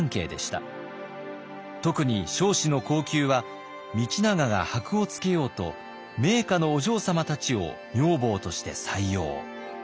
特に彰子の後宮は道長がはくをつけようと名家のお嬢様たちを女房として採用。